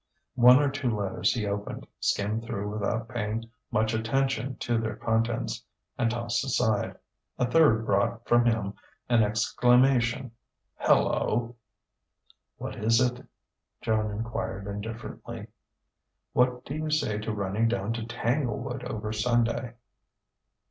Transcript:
One or two letters he opened, skimmed through without paying much attention to their contents, and tossed aside. A third brought from him an exclamation: "Hello!" "What is it?" Joan enquired indifferently. "What do you say to running down to Tanglewood over Sunday?"